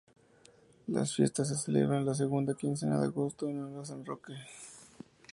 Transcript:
Las fiestas se celebran la segunda quincena de agosto en honor a San Roque.